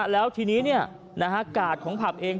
แล้วทีนี้เนี่ยกาปฐุมของผับเอง